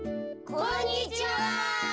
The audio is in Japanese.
こんにちは！